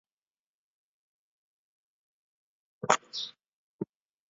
三城的一个地区。